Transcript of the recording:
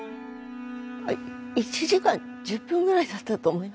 １時間１０分ぐらいだったと思います。